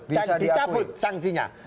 dan dicabut sanksinya